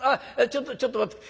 ちょっとちょっと待って。